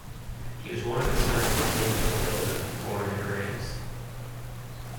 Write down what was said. He was one of the sons of Saint Clotilda, born at Reims.